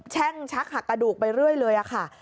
แช่งชักหักกระดูกไปเรื่อยเลยค่ะ